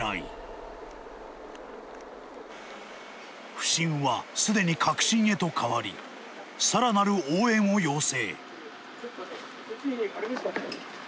不信は既に確信へと変わりさらなる応援を要請